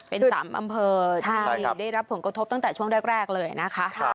เป็น๓อำเภอที่ได้รับผลกระทบตั้งแต่ช่วงแรกเลยนะคะ